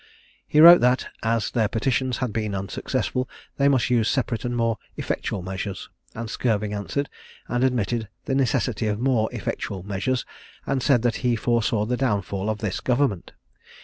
He wrote that, as their petitions had been unsuccessful, they must use separate and more effectual measures; and Skirving answered, and admitted the necessity of more effectual measures, and said that he foresaw the downfall of this government.